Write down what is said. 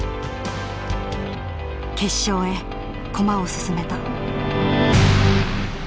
決勝へ駒を進めた。